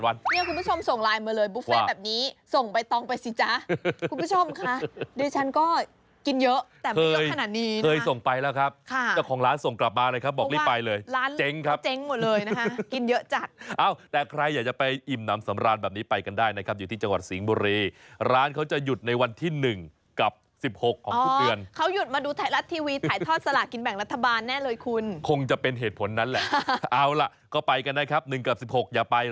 กินเยอะแต่ไม่เยอะขนาดนี้นะเคยส่งไปแล้วครับค่ะแล้วของร้านส่งกลับมาเลยครับบอกรีบไปเลยเจ๊งครับเจ๊งหมดเลยนะฮะกินเยอะจักเอ้าแต่ใครอยากจะไปอิ่มน้ำสำราญแบบนี้ไปกันได้นะครับอยู่ที่จังหวัดสีงบุรีร้านเขาจะหยุดในวันที่หนึ่งกับสิบหกของคุณเตือนอ๋อเขาหยุดมาดูไทรัสทีวีถ